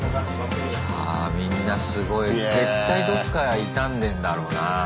あみんなすごい絶対どっか痛んでんだろうな。